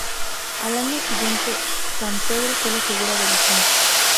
Al año siguiente Sampedro fue la figura del ascenso.